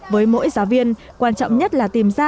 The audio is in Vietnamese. với mỗi giáo viên quan trọng nhất là tìm ra các ý tưởng